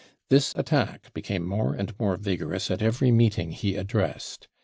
This attack became more and more vigor ous at every meeting he addressed.